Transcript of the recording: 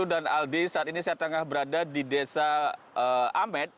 nah saya ndi saat ini saya tengah berada di desa amed